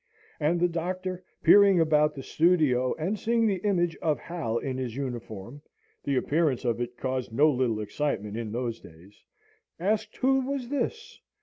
And the Doctor, peering about the studio, and seeing the image of Hal in his uniform (the appearance of it caused no little excitement in those days), asked who was this?